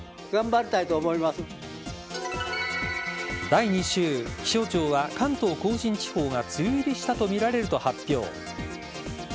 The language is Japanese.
第２週気象庁は、関東甲信地方が梅雨入りしたとみられると発表。